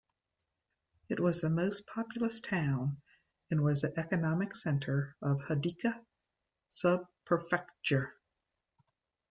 It was the most populous town and was the economic center of Hidaka Subprefecture.